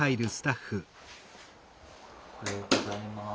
おはようございます。